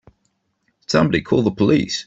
Somebody call the police!